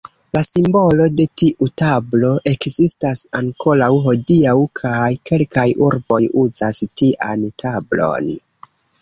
La simbolo de tiu tablo ekzistas ankoraŭ hodiaŭ kaj kelkaj urboj uzas tian tablon.